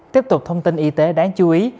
tiếp tục thông tin y tế đáng chú ý